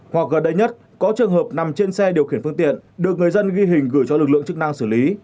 hoặc gần đây nhất có trường hợp nằm trên xe điều khiển phương tiện được người dân ghi hình gửi cho lực lượng chức năng xử lý